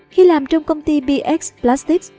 khi làm trong công ty bx plastics